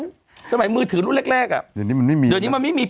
เออสมัยมือถือรุ่นแรกแรกอะเดี๋ยวนี้มันไม่มีมันไม่มี